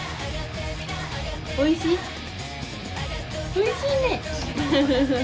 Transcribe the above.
おいしい？